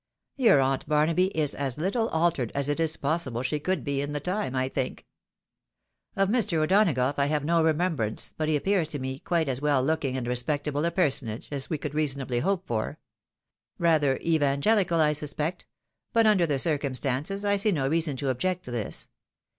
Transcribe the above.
Your Aunt Barnaby is as little altered as it is possible she could be in the time, I think. Of Mr. O'Donagough I have no remembrance, but he appears to me quite as well looking and respectable a personage as we could reasonably hope for. Rather evangelical, I suspect ; but under the circumstances I see no reason to object to this.